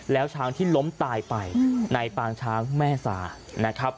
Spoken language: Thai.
แล้วช้างที่ล้มตายไปในปางช้างแม่สานะครับ